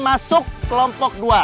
masuk kelompok dua